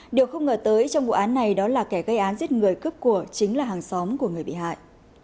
điều không ngờ tới trong vụ án này đó là kẻ gây án giết người cướp của chính là hàng xóm của người bị hại